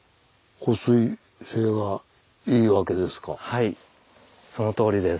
はいそのとおりです。